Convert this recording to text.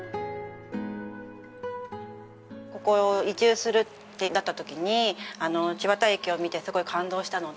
ここ移住するってなった時に千綿駅を見てすごい感動したので。